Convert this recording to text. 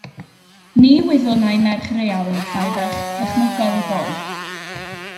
Ni wyddwn ai merch real ynteu ferch ddychmygol ydoedd.